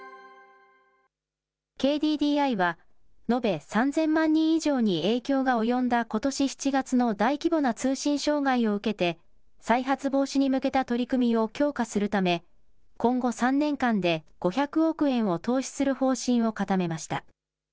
ＫＤＤＩは、延べ３０００万人以上に影響が及んだことし７月の大規模な通信障害を受けて、再発防止に向けた取り組みを強化するため、今後３年間で、５００億円を投資する方針を固めました。